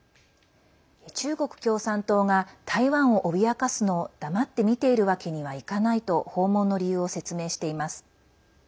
中国共産党が台湾を脅かすのを黙って見ているわけにはいかないと訪問の理由を説明しています。